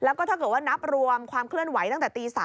แล้วก็ถ้าเกิดว่านับรวมความเคลื่อนไหวตั้งแต่ตี๓